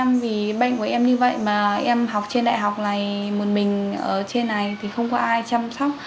bắt đầu thì bố mẹ em rất là lo nắng cho em vì bệnh của em như vậy mà em học trên đại học này một mình ở trên này thì không có ai chăm sóc